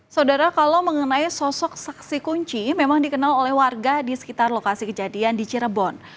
saudara kalau mengenai sosok saksi kunci memang dikenal oleh warga di sekitar lokasi kejadian di cirebon